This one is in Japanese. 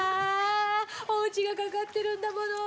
お家がかかってるんだもの！